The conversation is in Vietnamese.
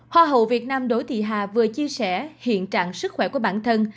hoa hậu việt nam đỗ thị hà vừa chia sẻ hiện trạng sức khỏe của bản thân